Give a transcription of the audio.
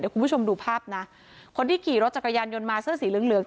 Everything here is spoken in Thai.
คุณผู้ชมดูภาพนะคนที่ขี่รถจักรยานยนต์มาเสื้อสีเหลืองเหลือง